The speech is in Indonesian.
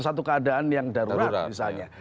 satu keadaan yang darurat misalnya